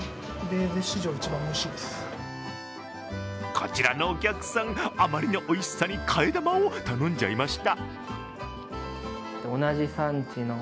こちらのお客さん、あまりのおいしさに替え玉を頼んじゃいました。